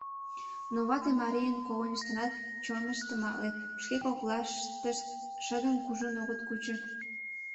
Но вате-марийын когыньыштынат чонышт тыматле, шке коклаштышт шыдым кужун огыт кучо.